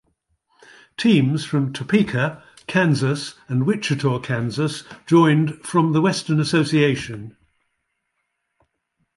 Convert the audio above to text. Teams from Topeka, Kansas, and Wichita, Kansas, joined from the Western Association.